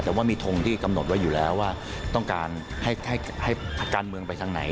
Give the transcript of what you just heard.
แต่ว่ามีทงที่กำหนดไว้อยู่แล้วว่าต้องการให้การเมืองไปทางไหน